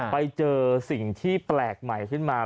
ไปเจอสิ่งที่แปลกใหม่ขึ้นมา